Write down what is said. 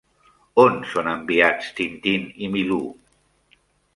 On són enviats Tintín i Milú?